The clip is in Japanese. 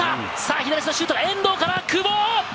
左足のシュート、遠藤から久保。